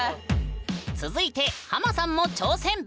続いてハマさんも挑戦！